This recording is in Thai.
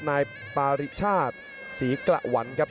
นายปาริชาติศรีกระหวันครับ